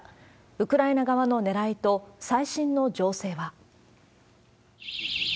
ウクライナ側のねらいと、最新の情勢は。